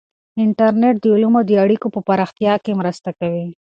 انټرنیټ د علومو د اړیکو په پراختیا کې مرسته کوي.